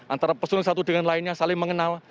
antara pesung satu dengan lainnya saling mengenal